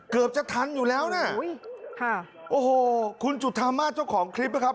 เกือบจะทันอยู่แล้วน่ะโอ้โหคุณจุธรรม่าเจ้าของคลิปนะครับ